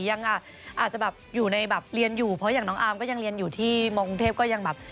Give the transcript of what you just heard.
ยังอาจจะแบบอยู่ในแบบเรียนอยู่เพราะอย่างน้องอาร์มก็ยังเรียนอยู่ที่มกรุงเทพก็ยังแบบ